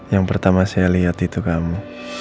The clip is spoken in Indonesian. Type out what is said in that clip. yang pertama saya lihat itu kamu